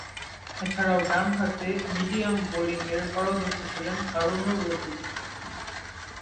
এছাড়াও, ডানহাতে মিডিয়াম বোলিংয়ে পারদর্শী ছিলেন হারুন রশীদ।